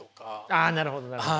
あなるほどなるほど。